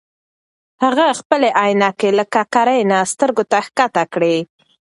هغه خپلې عینکې له ککرۍ نه سترګو ته ښکته کړې.